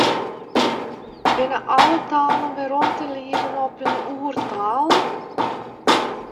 Binne alle talen werom te lieden op ien oertaal?